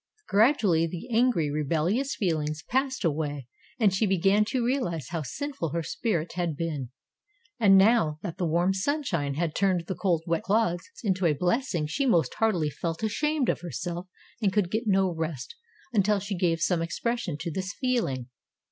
Gradually the angry, rebellious feelings passed away and she began to realize how sinful her spirit had been. And now that the warm sunshine had turned the cold, wet clods into a blessing she most heartily felt ashamed of herself and could get no rest until she gave some expression to this feeling.